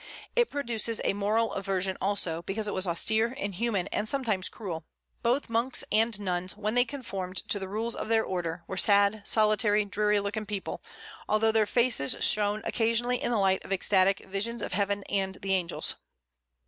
It produces a moral aversion also, because it was austere, inhuman, and sometimes cruel. Both monks and nuns, when they conformed to the rules of their order, were sad, solitary, dreary looking people, although their faces shone occasionally in the light of ecstatic visions of heaven and the angels.